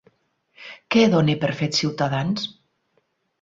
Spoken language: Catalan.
Què dona per fet Ciutadans?